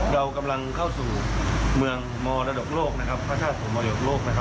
เรากำลังเข้าสู่เมืองมรดกโลกนะครับพระธาตุส่งมรดกโลกนะครับ